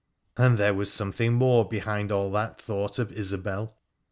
and there was something more behind all that thought of Isobel.